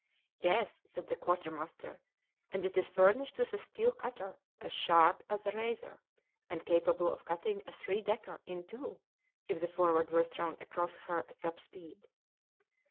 "Yes," said the quartermaster, "and it is furnished with a steel cutter as sharp as a razor and capable of cutting a three decker in two if the Forward were thrown across her at top speed."